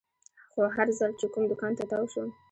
خو هر ځل چې کوم دوکان ته تاو شوم.